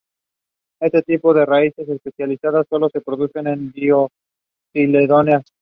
Este tipo de raíces especializadas sólo se producen en dicotiledóneas.